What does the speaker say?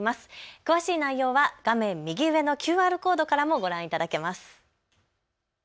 詳しい内容は画面右上のＱＲコードからもご覧いただけます。